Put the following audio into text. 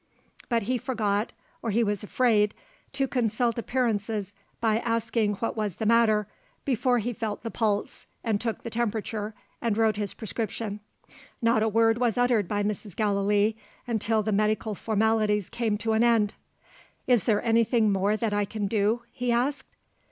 But he forgot, or he was afraid, to consult appearances by asking what was the matter, before he felt the pulse, and took the temperature, and wrote his prescription. Not a word was uttered by Mrs. Gallilee, until the medical formalities came to an end. "Is there anything more that I can do?" he asked.